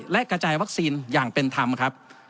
และกระจายวัคซีนอย่างเป็นธรรมครับ